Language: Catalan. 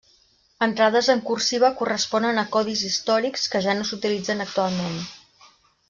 Entrades en cursiva corresponen a codis històrics, que ja no s'utilitzen actualment.